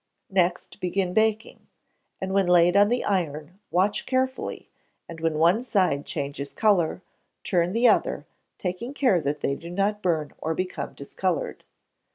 Next begin baking; and when laid on the iron, watch carefully, and when one side changes colour, turn the other, taking care that they do not burn or become discoloured.